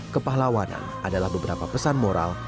kepahlawanan adalah beberapa pesan moral